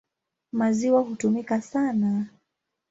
Maziwa hutumika sana.